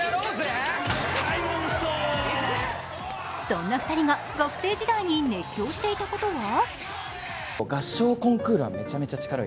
そんな２人が学生時代に熱狂していたことは？